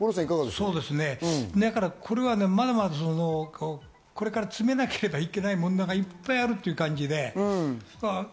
これは、まだまだこれから詰めなきゃいけない問題がいっぱいあるという感じで。